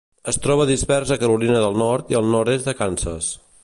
Es troba dispers a Carolina del Nord i al nord-est de Kansas.